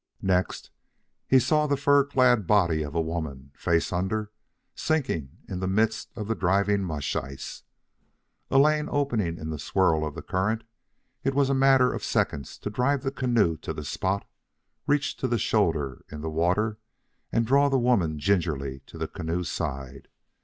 Next, he saw the fur clad body of a woman, face under, sinking in the midst of the driving mush ice. A lane opening in the swirl of the current, it was a matter of seconds to drive the canoe to the spot, reach to the shoulder in the water, and draw the woman gingerly to the canoe's side.